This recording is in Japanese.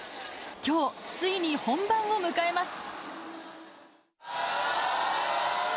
きょう、ついに本番を迎えます。